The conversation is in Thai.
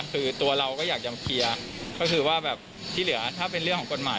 คือตัวเราก็อยากจะเคลียร์ก็คือว่าแบบที่เหลือถ้าเป็นเรื่องของกฎหมาย